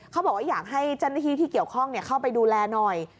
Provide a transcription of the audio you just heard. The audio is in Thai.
เขาบอกว่าอยากให้เจ้าหน้าที่ที่เกี่ยวข้องเข้าไปดูแลหน่อย